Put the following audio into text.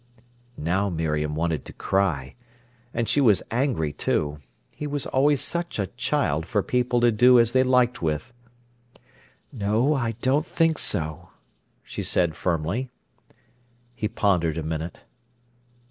Now Miriam wanted to cry. And she was angry, too. He was always such a child for people to do as they liked with. "No, I don't think so," she said firmly. He pondered a minute.